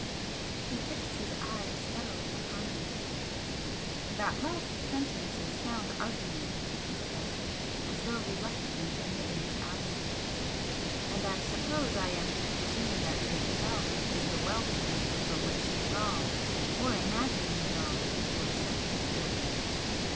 He fixed his eyes steadily upon me. "That last sentence is sound argument," he said, as though reluctantly admitting the obvious, "And I suppose I am to presume that 'Itself' is the well spring from which you draw, or imagine you draw, your psychic force?"